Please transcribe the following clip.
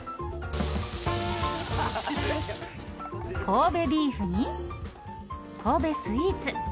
神戸ビーフに神戸スイーツ。